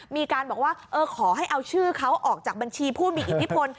มีการบอกว่าขอให้เอาชื่อเขาออกจากบัญชีผู้มีอิทธิพล